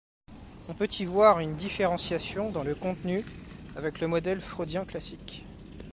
On peut y voir une différenciation dans le contenu avec le modèle freudien classique.